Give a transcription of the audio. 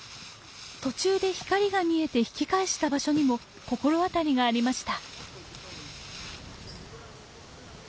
途中で光が見えて引き返した場所にも心当たりがありました。